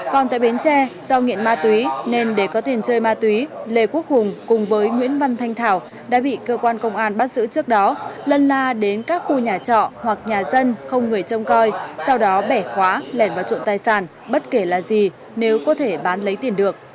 còn tại bến tre do nghiện ma túy nên để có tiền chơi ma túy lê quốc hùng cùng với nguyễn văn thanh thảo đã bị cơ quan công an bắt giữ trước đó lân la đến các khu nhà trọ hoặc nhà dân không người trông coi sau đó bẻ khóa lẻn vào trộm tài sản bất kể là gì nếu có thể bán lấy tiền được